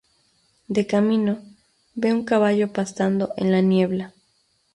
De camino, ve un caballo pastando en la niebla.